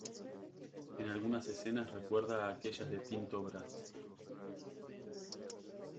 En algunas escenas recuerda a aquellas de Tinto Brass.